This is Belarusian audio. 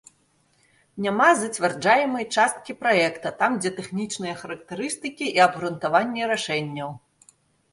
Няма зацвярджаемай часткі праекта, там дзе тэхнічныя характарыстыкі і абгрунтаванні рашэнняў.